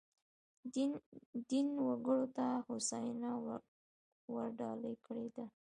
دین وګړو ته هوساینه ورډالۍ کړې ده.